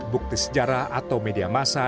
bukti sejarah atau media massa